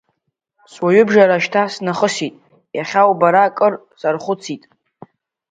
Суаҩыбжара шьҭа снахысит, иахьа убара кыр сархәыцит.